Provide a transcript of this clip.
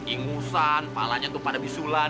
ingusan palanya tuh pada bisulan